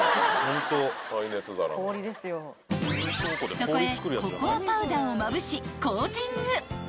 ［そこへココアパウダーをまぶしコーティング］